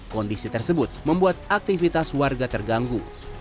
kondisi tersebut membuat aktivitas warga terganggu